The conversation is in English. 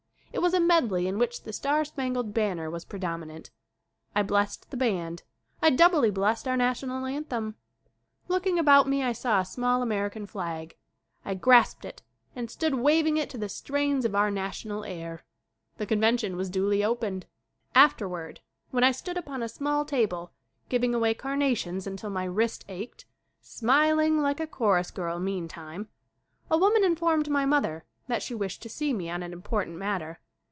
It was a medley in which "The Star Spangled Banner" was predominant. I blessed the band. I doubly blessed our national an them. Looking about me I saw a small Amer ican flag. I grasped it and stood waving it to the strains of our national air. The conven tion was duly opened. Afterward, when I stood upon a small table giving away carnations until my wrist ached smiling like a chorus girl meantime a wom an informed my mother that she wished to see me on an important matter.